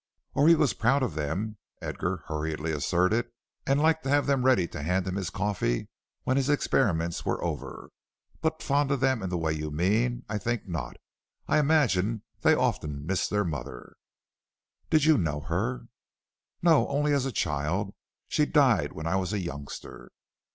"Oh, he was proud of them," Edgar hurriedly asserted, "and liked to have them ready to hand him his coffee when his experiments were over; but fond of them in the way you mean, I think not. I imagine they often missed their mother." "Did you know her?" "No, only as a child. She died when I was a youngster."